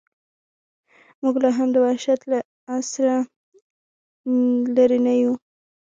موږ لا هم د وحشت له عصره لرې نه یو.